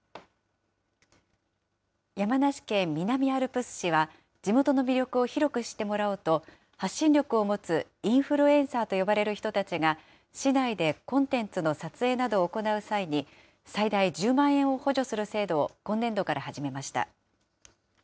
山梨県南アルプス市は地元の魅力を広く知ってもらおうと、発信力を持つインフルエンサーと呼ばれる人たちが市内でコンテンツの撮影などを行う際に、最大１０万円を補助する制度を今年度から始めました。